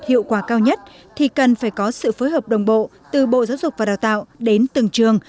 hiệu quả cao nhất thì cần phải có sự phối hợp đồng bộ từ bộ giáo dục và đào tạo đến từng trường